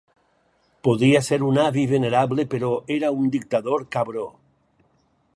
Podia ser un avi venerable, però era un dictador cabró.